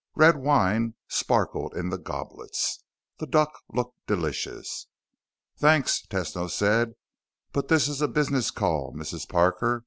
Red wine sparkled in the goblets. The duck looked delicious. "Thanks," Tesno said, "but this is a business call, Mrs. Parker.